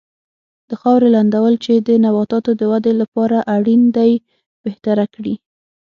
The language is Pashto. د خاورې لنده بل چې د نباتاتو د ودې لپاره اړین دی بهتره کړي.